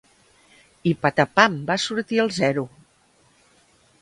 I patapam, va sortir el zero.